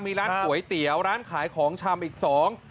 มีร้านก๋วยเตี๋ยวร้านขายของชำอีกสอง